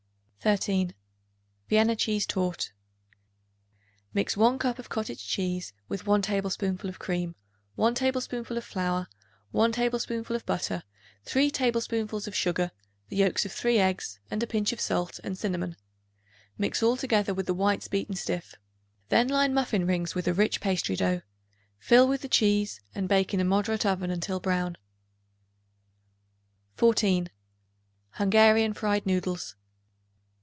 13. Vienna Cheese Torte. Mix 1 cup of cottage cheese with 1 tablespoonful of cream, 1 tablespoonful of flour, 1 tablespoonful of butter, 3 tablespoonfuls of sugar, the yolks of 3 eggs, and a pinch of salt and cinnamon. Mix all together with the whites beaten stiff; then line muffin rings with a rich pastry dough; fill with the cheese and bake in a moderate oven until brown. 14. Hungarian Fried Noodles.